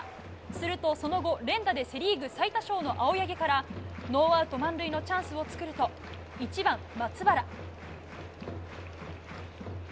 するとその後、連打でセ・リーグ最多勝の青柳からノーアウト満塁のチャンスを作ると１番、松原。